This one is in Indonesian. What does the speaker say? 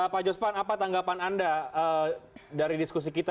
pak jospan apa tanggapan anda dari diskusi kita